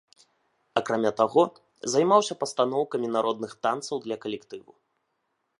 Акрамя таго, займаўся пастаноўкамі народных танцаў для калектыву.